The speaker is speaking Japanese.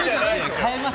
買えます。